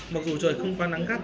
mặc dù trời không quan nắng gắt